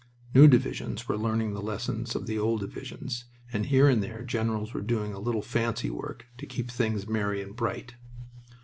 New divisions were learning the lessons of the old divisions, and here and there generals were doing a little fancy work to keep things merry and bright.